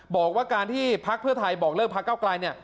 บอกว่าการที่พักเพื่อไทยบอกเรื่องพักเก้าไกล